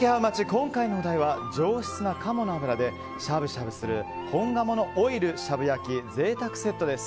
今回のお題は上質な鴨の脂でしゃぶしゃぶする、本鴨のオイルしゃぶ焼き贅沢セットです。